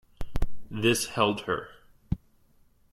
This held her.